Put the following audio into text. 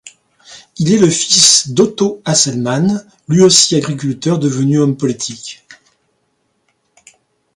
Il est le fils d'Otto Hasselmann, lui aussi agriculteur devenu homme politique.